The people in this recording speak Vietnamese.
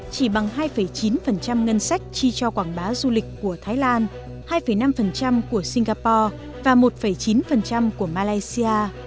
chỉ bằng hai chín ngân sách chi cho quảng bá du lịch của thái lan hai năm của singapore và một chín của malaysia